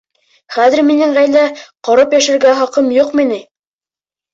Хәҙер минең ғаилә ҡороп йәшәргә хаҡым юҡмы ни?